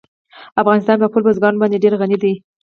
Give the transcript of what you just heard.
افغانستان په خپلو بزګانو باندې ډېر غني دی.